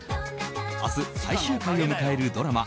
明日、最終回を迎えるドラマ